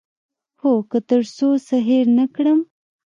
هو، که تر څو څه هیر نه کړم